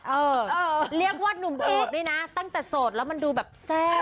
เออเรียกว่านุ่มโอบนี่นะตั้งแต่โสดแล้วมันดูแบบแซ่บ